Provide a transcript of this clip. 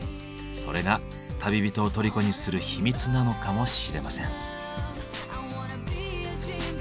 それが旅人を虜にする秘密なのかもしれません。